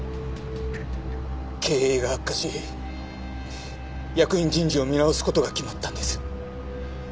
経営が悪化し役員人事を見直す事が決まったんです。